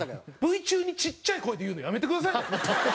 Ｖ中にちっちゃい声で言うのやめてくださいね！